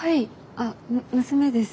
あっ娘です。